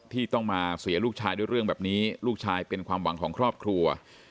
ที่ต้องมาเสียลูกชายด้วยเรื่องแบบนี้ลูกชายเป็นความหวังของครอบครัว